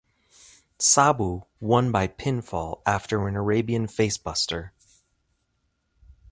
Sabu won by pinfall after an "Arabian Facebuster".